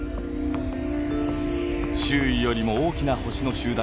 周囲よりも大きな星の集団があると